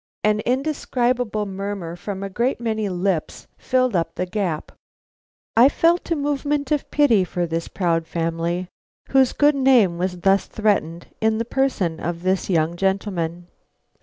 An indescribable murmur from a great many lips filled up the gap. I felt a movement of pity for the proud family whose good name was thus threatened in the person of this young gentleman.